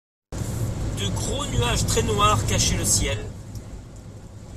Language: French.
De gros nuages très noirs cachaient le ciel.